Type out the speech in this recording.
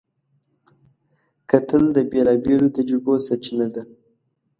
کتل د بېلابېلو تجربو سرچینه ده